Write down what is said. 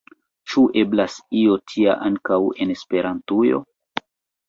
Ĉu eblas io tia ankaŭ en Esperantujo?